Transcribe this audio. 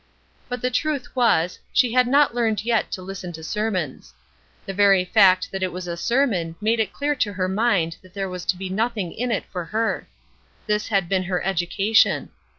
But the truth was, she had not learned yet to listen to sermons. The very fact that it was a sermon made it clear to her mind that there was to be nothing in it for her; this had been her education.